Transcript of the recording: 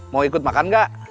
mau ikut makan gak